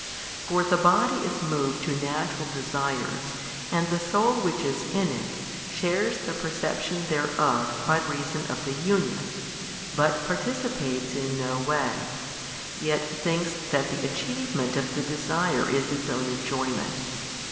For the body is moved to natural desires and the soul which is in it shares the perception thereof by reason of the union, but participates in no way, yet thinks that the achievement of the desire is its own enjoyment.